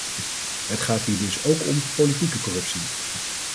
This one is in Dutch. Het gaat hier dus ook om politieke corruptie.